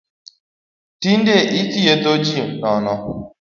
Tinde ithiedho ji nono